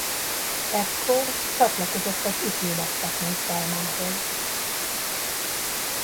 Ekkor csatlakozott az Ifjú Lettek mozgalmához.